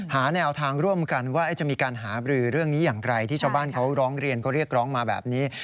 หาแนวทางร่วมกันว่าจะมีการหาบรือเรื่องนี้อย่างไรที่ชาวบ้านเขาร้องเรียนเขาเรียกร้องมาแบบนี้